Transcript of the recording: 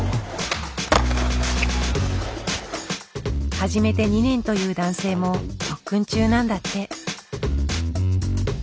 始めて２年という男性も特訓中なんだって。